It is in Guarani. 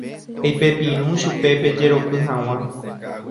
Eipepirũ chupe pejeroky hag̃ua.